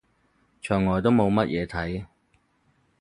牆外都冇乜嘢睇